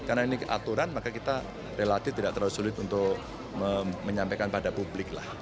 karena ini aturan maka kita relatif tidak terlalu sulit untuk menyampaikan pada publik lah